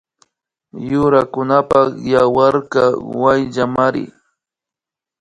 Yurakunapak yawarkaka wayllamari